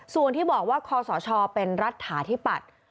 ส่วนที่บอกว่าคอสชเป็นรัฐาธิปัตย์